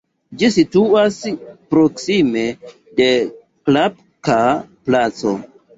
Ĝi situas proksime de Klapka-Placo.